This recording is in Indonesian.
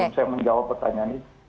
saya menjawab pertanyaan itu